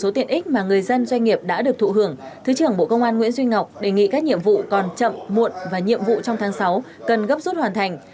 tổ công an nguyễn duy ngọc đề nghị các nhiệm vụ còn chậm muộn và nhiệm vụ trong tháng sáu cần gấp rút hoàn thành